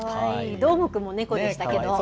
どーもくんも猫でしたけど。